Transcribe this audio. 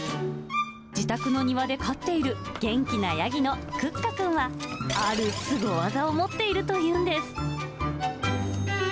自宅の庭で買っている元気なヤギのクッカくんは、あるすご技を持っているというんです。